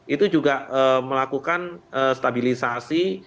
itu juga melakukan stabilisasi